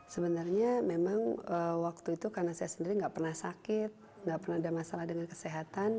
sebenarnya memang waktu itu karena saya sendiri nggak pernah sakit nggak pernah ada masalah dengan kesehatan